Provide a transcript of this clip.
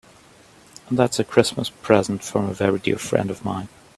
That's a Christmas present from a very dear friend of mine.